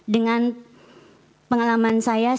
dengan pengalaman saya